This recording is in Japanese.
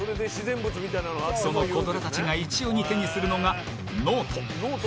そのコ・ドラたちが一様に手にするのがノート。